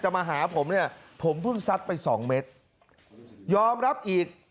มาหาผมเนี่ยผมเพิ่งซัดไปสองเมตรยอมรับอีก